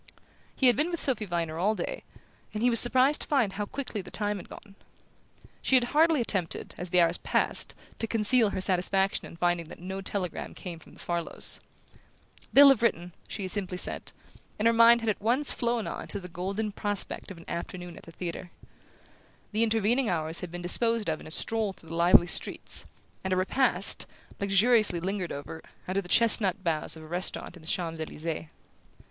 He had been with Sophy Viner all day, and he was surprised to find how quickly the time had gone. She had hardly attempted, as the hours passed, to conceal her satisfaction on finding that no telegram came from the Farlows. "They'll have written," she had simply said; and her mind had at once flown on to the golden prospect of an afternoon at the theatre. The intervening hours had been disposed of in a stroll through the lively streets, and a repast, luxuriously lingered over, under the chestnut boughs of a restaurant in the Champs Elysees.